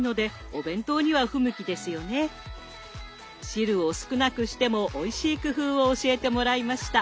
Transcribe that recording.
汁を少なくしてもおいしい工夫を教えてもらいました。